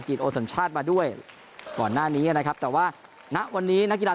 โอสัญชาติมาด้วยก่อนหน้านี้นะครับแต่ว่าณวันนี้นักกีฬา